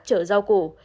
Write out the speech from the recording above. chở dao củ